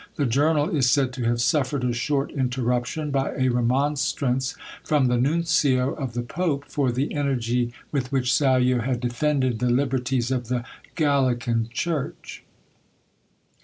The journal is said to have suffered a short interruption by a remonstrance from the nuncio of the pope, for the energy with which Sallo had defended the liberties of the Gallican church.